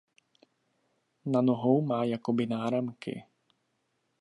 Na nohou má jakoby náramky.